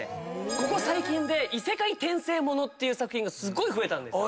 ここ最近で異世界転生物っていう作品がすっごい増えたんですよ。